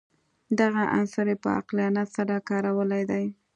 دغه عنصر یې په عقلانیت سره کارولی دی.